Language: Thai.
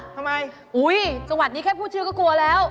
ทำไมอุ้ยจังหวัดนี้แค่พูดชื่อก็กลัวแล้ว